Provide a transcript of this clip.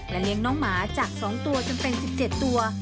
เลี้ยงน้องหมาจาก๒ตัวจนเป็น๑๗ตัว